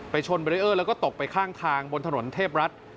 ชนเบรีเออร์แล้วก็ตกไปข้างทางบนถนนเทพรัฐ